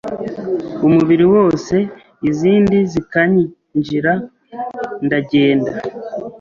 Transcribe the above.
umubiri wose izindi zikanyinjira ndagenda